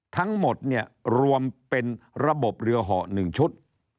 ทั้งหมดรวมเป็นระบบเรือหอ๑ชุด